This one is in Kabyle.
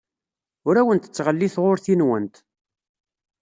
Ur awent-ttɣelliteɣ urti-nwent.